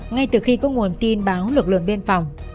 ngay từ khi có nguồn tin báo lực lượng biên phòng